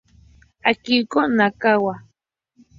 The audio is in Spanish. Akiko Nakagawa